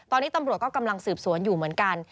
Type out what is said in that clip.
ตอนนี้ตำรวจก็กำลังสืบสวนอยู่เหมือนกัน